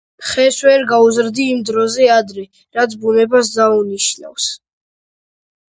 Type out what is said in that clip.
„ხეს ვერ გაზრდი იმ დროზე ადრე, რაც ბუნებას დაუნიშნავს.“